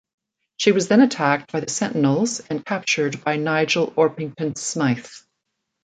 She was then attacked by the Sentinels and captured by Nigel Orpington-Smythe.